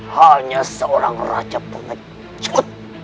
hanya seorang raja pemerintah